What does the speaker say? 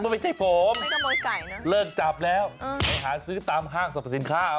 มันไม่ใช่ผมเลิกจับแล้วไปหาซื้อตามห้างสรรพสินค้า